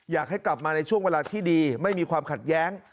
อยากให้กลับมาในช่วงเวลาที่ดีไม่มีความขัดแย้ง